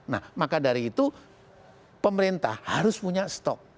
nah maka dari itu pemerintah harus punya stok